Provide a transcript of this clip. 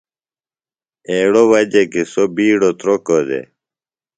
ایڑہ وجہ کیۡ سوُ بِیڈوۡ تُرۡوکوۡ دےۡ۔